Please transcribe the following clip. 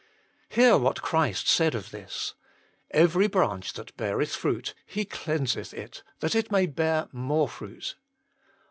Hear what Christ said of this, "Every branch that beareth fruit, He cleanseth it, that it may bear more fruit."